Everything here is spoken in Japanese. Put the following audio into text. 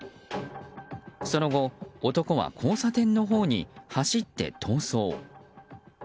その後、男は交差点のほうに走って逃走。